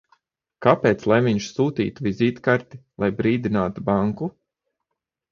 Kāpēc lai viņš sūtītu vizītkarti, lai brīdinātu banku?